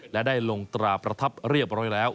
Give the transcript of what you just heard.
และได้ลงตราประทับเรียบร้อยแล้ว